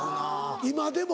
今でも？